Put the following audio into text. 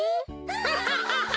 ハハハハ！